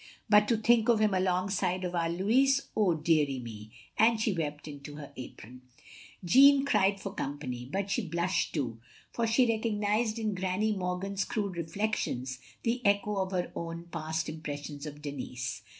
But to think of him alongside of our Louis, oh deary me, " and she wept into her apron. OF GROSVENOR SQUARE 381 Jeanne cried for company; but she blushed too, as she recognised in Granny Morgan's crude reflections the echo of her own past impressions of Denis.